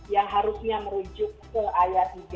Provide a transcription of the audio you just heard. yang harusnya merujuk ke ayat tiga